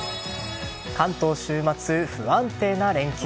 関東、週末不安定な連休。